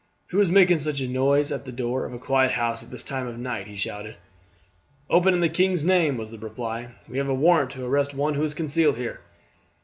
"Who is making such a noise at the door of a quiet house at this time of night?" he shouted. "Open in the king's name," was the reply; "we have a warrant to arrest one who is concealed here."